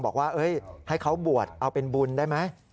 บอกว่าให้เขาบวชเอาเป็นบุญได้ไหม